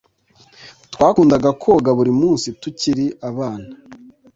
Twakundaga koga buri munsi tukiri abana